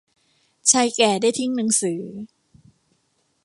ชายแก่ได้ทิ้งหนังสือ